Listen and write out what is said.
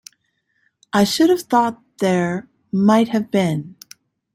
I should have thought there might have been.